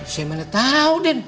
saya mana tau den